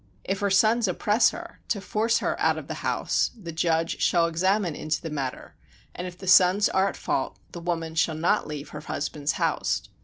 If her sons oppress her, to force her out of the house, the judge shall examine into the matter, and if the sons are at fault the woman shall not leave her husband's house.